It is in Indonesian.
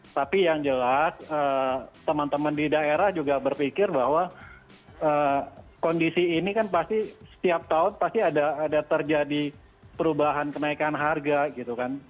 tapi yang jelas teman teman di daerah juga berpikir bahwa kondisi ini kan pasti setiap tahun pasti ada terjadi perubahan kenaikan harga gitu kan